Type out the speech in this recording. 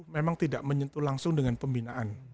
memang tidak menyentuh langsung dengan pembinaan